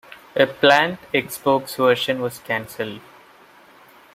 A planned Xbox version was canceled.